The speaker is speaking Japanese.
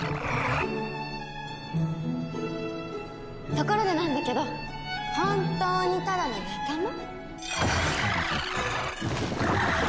ところでなんだけど本当にただの仲間？